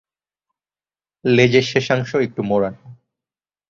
লেজের শেষাংশ একটু মোড়ানো।